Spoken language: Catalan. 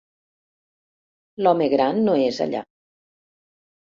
L'home gran no és allà.